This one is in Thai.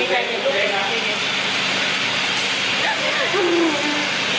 จะคอยหากใจดู